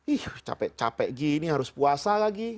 ih capek capek gini harus puasa lagi